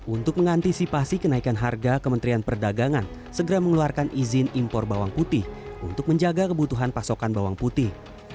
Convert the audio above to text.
untuk mengantisipasi kenaikan harga kementerian perdagangan segera mengeluarkan izin impor bawang putih untuk menjaga kebutuhan pasokan bawang putih